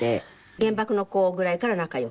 『原爆の子』ぐらいから仲良く？